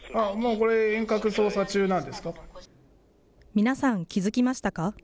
皆さん、気付きましたか。